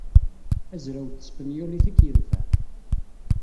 Azraw n tespenyulit ad k-yenfeɛ.